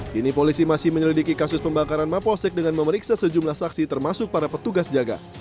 kini polisi masih menyelidiki kasus pembakaran mapolsek dengan memeriksa sejumlah saksi termasuk para petugas jaga